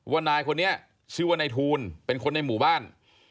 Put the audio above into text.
นายคนนี้ชื่อว่านายทูลเป็นคนในหมู่บ้าน